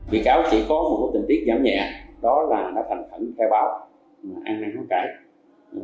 bị cáo chỉ có một tình tiết giảm nhẹ đó là thành phẩm khai báo an ninh không cãi